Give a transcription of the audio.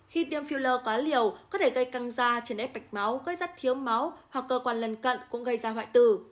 khi tiêm filler quá liều có thể gây căng da trần ép bạch máu gây rắt thiếu máu hoặc cơ quan lần cận cũng gây ra hoại tử